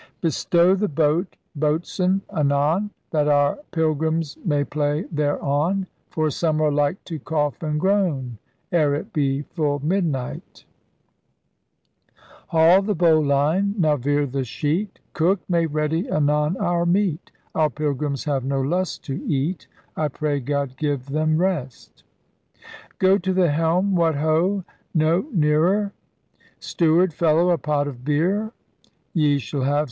Bestow the boat, boat swain, anon, That our pylgrymms may play thereon; For some are like to cough and groan Ere it be full midnight. 38 ELIZABETHAN SEA DOGS Haul the bowline! Now veer the sheet! Cook, make ready anon our meat! Our pylgrymms have no lust to eat: I pray God give them rest. Go to the helm ! What ho ! no neare[r] ! Steward, fellow! a pot of beer! Ye shall have.